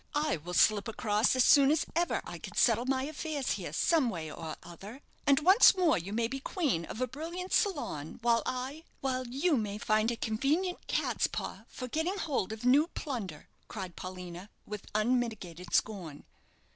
I will slip across as soon as ever I can settle my affairs here some way or other, and once more you may be queen of a brilliant salon, while I " "While you may find a convenient cat's paw for getting hold of new plunder," cried Paulina, with unmitigated scorn.